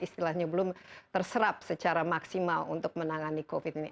istilahnya belum terserap secara maksimal untuk menangani covid ini